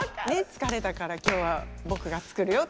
疲れたから今日は僕が作るよ。